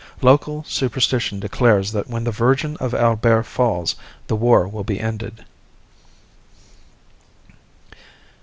Local superstition declares that when the Virgin of Albert falls the war will be ended.